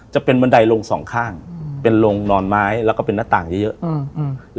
จะเป็นเมืองดัยโรงสองข้างเป็นโรงนอนไม้แล้วก็เป็นนักต่างเยอะเยอะอืมอืม